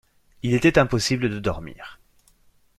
Il était impossible de dormir.